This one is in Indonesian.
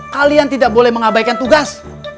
kalian tidak boleh mengabaikan tugas